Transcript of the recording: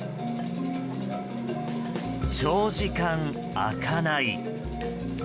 長時間、開かない。